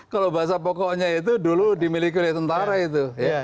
kalau bahasa pokoknya itu dulu dimiliki oleh tentara itu